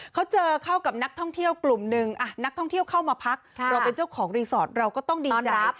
เขาเจอเข้ากับนักท่องเที่ยวกลุ่มหนึ่งนักท่องเที่ยวเข้ามาพักเราเป็นเจ้าของรีสอร์ทเราก็ต้องดีรับ